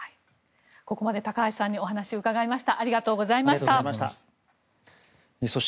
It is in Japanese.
ここまで高橋さんにお話を伺いました。